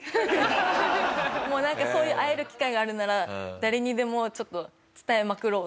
もうなんかそういう会える機会があるなら誰にでもちょっと伝えまくろうっていう。